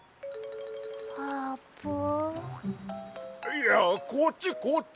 いやこっちこっち！